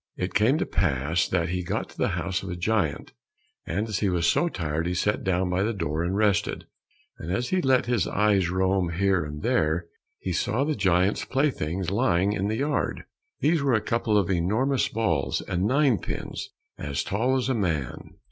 It came to pass that he got to the house of a giant, and as he was so tired he sat down by the door and rested. And as he let his eyes roam here and there, he saw the giant's playthings lying in the yard. These were a couple of enormous balls, and nine pins as tall as a man.